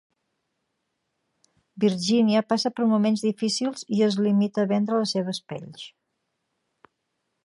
Virginia passa per moments difícils i es limita a vendre les seves pells.